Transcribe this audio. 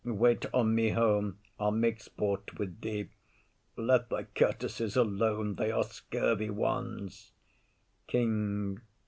Wait on me home, I'll make sport with thee. Let thy courtesies alone, they are scurvy ones. KING.